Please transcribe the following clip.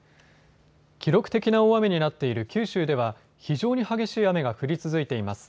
記録的な大雨になっている九州では非常に激しい雨が降り続いています。